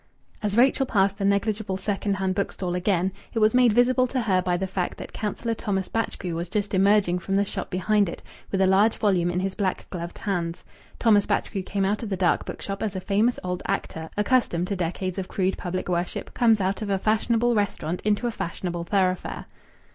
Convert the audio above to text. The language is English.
As Rachel passed the negligible second hand bookstall again, it was made visible to her by the fact that Councillor Thomas Batchgrew was just emerging from the shop behind it, with a large volume in his black gloved hands. Thomas Batchgrew came out of the dark bookshop as a famous old actor, accustomed to decades of crude public worship, comes out of a fashionable restaurant into a fashionable thoroughfare.